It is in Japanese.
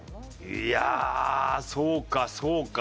いやあそうかそうか。